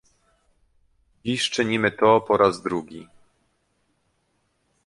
Dziś czynimy to po raz drugi